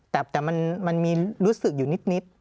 แต่มันมีรู้สึกอยู่นิด